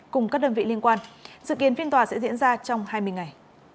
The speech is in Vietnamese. cùng các đơn vị liên quan sự kiến phiên tòa sẽ diễn ra trong hai mươi ngày